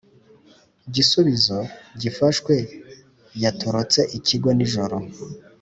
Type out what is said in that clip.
gisubizo yafashwe yatorotse ikigo nijoro